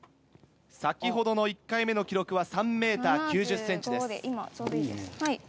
先ほどの１回目の記録は３ｍ９０ｃｍです。